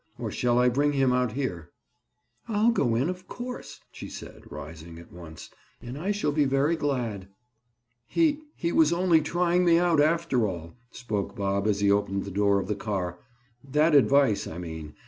Or shall I bring him out here?" "I'll go in, of course," she said, rising at once. "And I shall be very glad." "He—he was only trying me out, after all," spoke Bob as he opened the door of the car. "That advice, I mean.